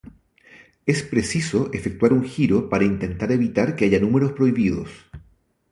Es preciso efectuar un giro para intentar evitar que haya números prohibidos.